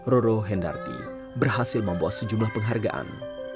roro hendarti berhasil membawa sejumlah penghargaan